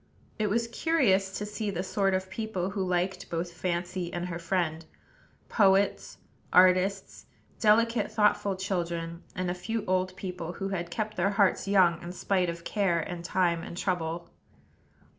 It was curious to see the sort of people who liked both Fancy and her friend, poets, artists; delicate, thoughtful children; and a few old people, who had kept their hearts young in spite of care and time and trouble.